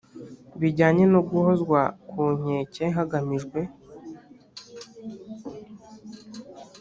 bijyanye no guhozwa ku nkeke hagamijwe